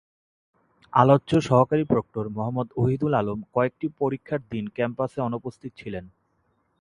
আলোচ্য সহকারী প্রক্টর মোহাম্মদ অহিদুল আলম কয়েকটি পরীক্ষার দিন ক্যাম্পাসে অনুপস্থিত ছিলেন।